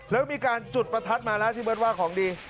แล้วมีการจุดประทัดมาแล้วที่เบิร์ตว่าของดี